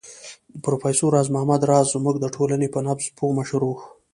پروفېسر راز محمد راز زموږ د ټولنې په نبض پوه مشر و